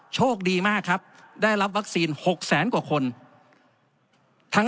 โชคดีมากครับได้รับวัคซีน๖แสนกว่าคนทั้ง